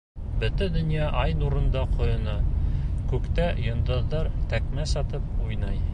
Бөтә донъя ай нурында ҡойона, күктә йондоҙҙар тәкмәс атып уйнай...